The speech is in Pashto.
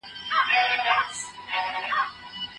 تر خوړو مخکې لاسونه ومينځه